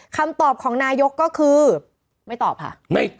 คำตอบของนายกก็คือไม่ตอบค่ะ